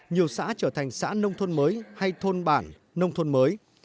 nhiều xã trở thành xã nông thôn mới hay thôn bản nông thôn mới